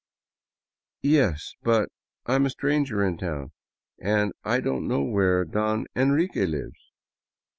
" Yes, but I am a stranger in town and I don't know where Don Enrique lives."